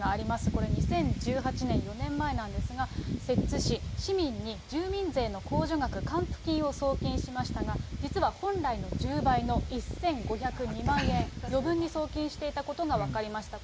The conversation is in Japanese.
これ、２０１８年、４年前なんですが、摂津市、市民に住民税の控除額、還付金を送金しましたが、実は本来の１０倍の１５０２万円、余分に送金していたことが分かりました。